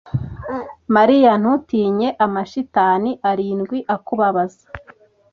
Mariya ntutinye amashitani arindwi akubabaza